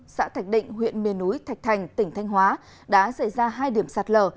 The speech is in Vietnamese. xã thạch định huyện miền núi thạch thành tỉnh thanh hóa đã xảy ra hai điểm sạt lở